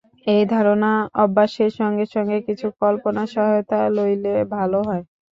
এই ধারণা-অভ্যাসের সঙ্গে সঙ্গে কিছু কল্পনার সহায়তা লইলে ভাল হয়।